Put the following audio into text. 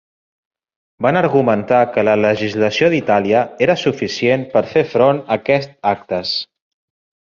Van argumentar que la legislació d'Itàlia era suficient per fer front a aquests actes.